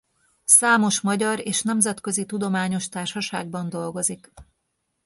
Számos magyar és nemzetközi tudományos társaságban dolgozik.